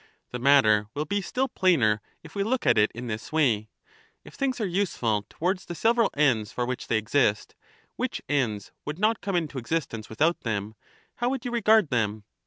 The matter will be still 405 plainer if we look at it in this way: — If things are useful towards the several ends for which they exist, which ends would not come into existence without them, how would you regard them?